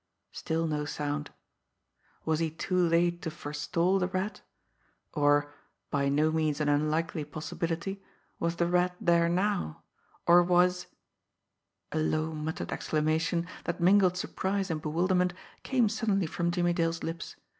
Still no sound! Was he too late to forestall the Rat; or, by no means an unlikely possibility, was the Rat there now; or was a low, muttered exclamation, that mingled surprise and bewilderment, came suddenly from Jimmie Dale's lips.